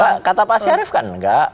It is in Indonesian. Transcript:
ya kata pak syarif kan enggak